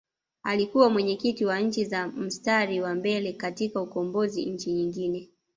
Alikuwa mwenyekiti wa Nchi za Mstari wa Mbele katika ukombozi Nchi nyingine